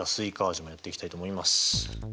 味もやっていきたいと思います。